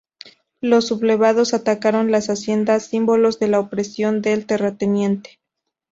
Los sublevados atacaron las haciendas, símbolos de la opresión del terrateniente.